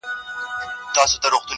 سترگي لكه دوې ډېوې_